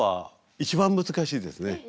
一番難しいですね。